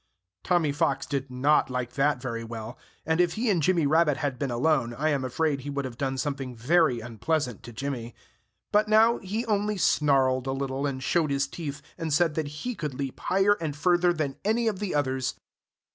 Tommy Fox did not like that very well. And if he and Jimmy Rabbit had been alone I am afraid he would have done something very unpleasant to Jimmy. But now he only snarled a little, and showed his teeth, and said that he could leap higher and further than any of the others.